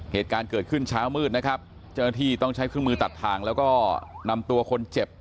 เหตุการณ์เกิดขึ้นเช้ามืดนะครับเจ้าหน้าที่ต้องใช้เครื่องมือตัดทางแล้วก็นำตัวคนเจ็บ